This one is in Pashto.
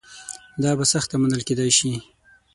دا په سخته منل کېدای شي.